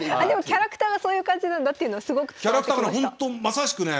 でもキャラクターがそういう感じなんだっていうのはすごく伝わってきました。